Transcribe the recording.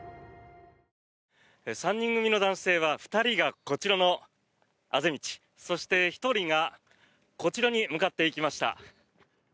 ３人組の男性は２人がこちらのあぜ道そして、１人がこちらに向かっていきました。